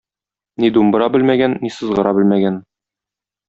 Ни думбыра белмәгән, ни сызгыра белмәгән.